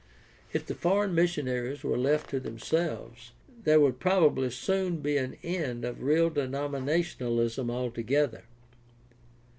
If the foreign missionaries were left to themselves there would probably soon be an end of real denominationalism altogether.